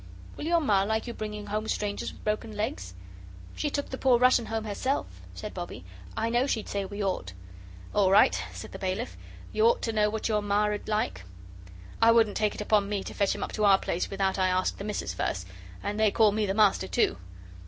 "Will your Ma like you bringing home strangers with broken legs?" "She took the poor Russian home herself," said Bobbie. "I know she'd say we ought." "All right," said the bailiff, "you ought to know what your Ma 'ud like. I wouldn't take it upon me to fetch him up to our place without I asked the Missus first, and they call me the Master, too."